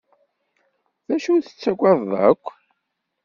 D acu i tettagadeḍ akk?